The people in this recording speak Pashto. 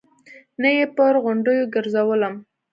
نه يې پر غونډيو ګرځولم.